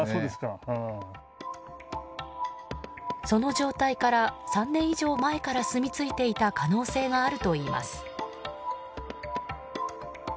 その状態から３年以上前からすみついてた可能性があるといいます。